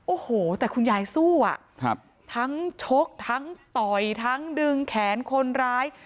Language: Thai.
โอ้โหแต่คุณยายสู้อ่ะครับทั้งชกทั้งต่อยทั้งดึงแขนคนร้าย